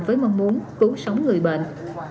với mong muốn cứu sống người bệnh